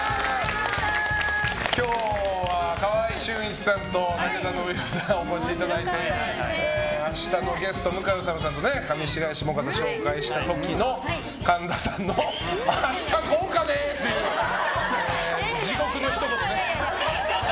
今日は川合俊一さんと武田修宏さんお越しいただいて明日のゲスト向井理さんと上白石萌歌さんを紹介した時の神田さんの明日豪華ねという地獄のひと言ね。